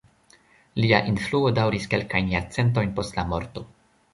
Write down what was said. Lia influo daŭris kelkajn jarcentojn post la morto.